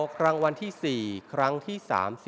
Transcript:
อครั้งวันที่๔ครั้งที่๓๖